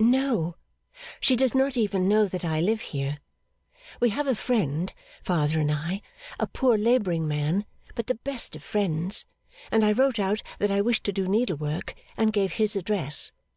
'No. She does not even know that I live here. We have a friend, father and I a poor labouring man, but the best of friends and I wrote out that I wished to do needlework, and gave his address.